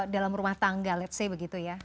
dalam rumah tangga let's say begitu ya